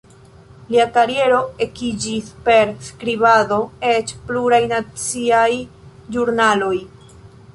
Lia kariero ekiĝis per skribado ĉe pluraj naciaj ĵurnaloj.